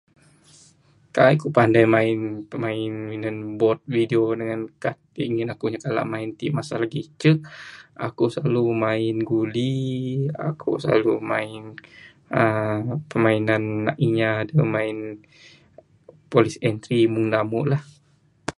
Kai' ku' pandai main pemain minan bot video dengan cart ngin aku' ngap kalak main ti' masa lagi icuk. Aku' slalu main guli, aku, slalu main uhh pemainan anak inya da main police and thief mung damu' lah.